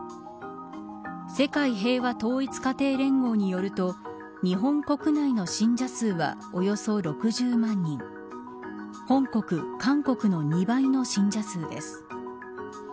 世界平和統一家庭連合によると日本国内の信者数はおよそ６０万人本国、韓国の２倍の信者数です。